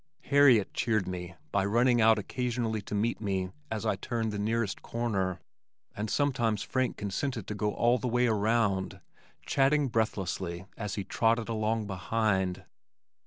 Harriet cheered me by running out occasionally to meet me as I turned the nearest corner, and sometimes Frank consented to go all the way around, chatting breathlessly as he trotted along behind.